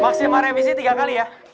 maksima revisi tiga kali ya